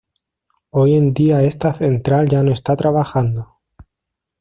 Hoy en día esta central ya no está trabajando.